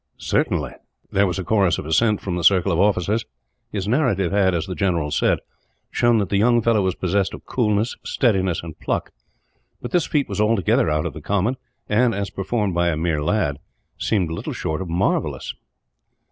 "Certainly." There was a chorus of assent from the circle of officers. His narrative had, as the general said, shown that the young fellow was possessed of coolness, steadiness, and pluck; but this feat was altogether out of the common and, as performed by a mere lad, seemed little short of marvellous.